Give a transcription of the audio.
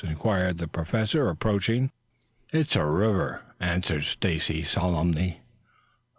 inquired the Professor, approaching. "It's a river," answered Stacy solemnly.